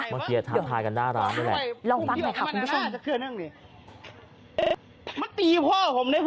เมื่อกี้ท้าทายกันด้าตร้านด้วยแหละ